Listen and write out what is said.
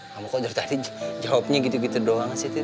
kamu kok dari tadi jawabnya gitu gitu doang sih tin